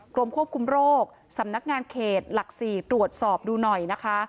กรมควบคุมโรคสำนักงานเขตหลัก๔ตรวจสอบดูหน่อยนะคะ